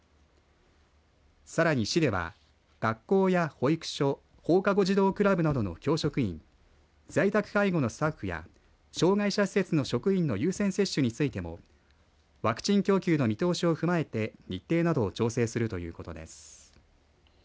さらに市では、学校や保育所放課後児童クラブなどの教職員在宅介護のスタッフや障害者施設の職員の優先接種についてもワクチン供給の見通しも踏まえて日程などを調整するということです。